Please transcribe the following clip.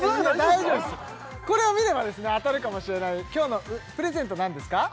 大丈夫ですこれを見れば当たるかもしれない今日のプレゼント何ですか？